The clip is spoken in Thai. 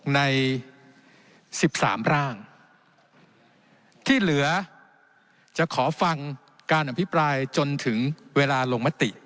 ใน๑๓ร่างที่เหลือจะขอฟังการอภิปรายจนถึงเวลาลงมติ